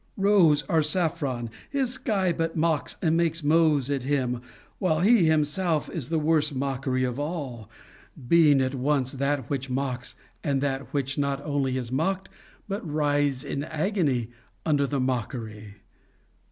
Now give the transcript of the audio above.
rose or saffron, his sky but mocks and makes mows at him; while he himself is the worst mockery of all, being at once that which mocks and that which not only is mocked but writhes in agony under the mockery.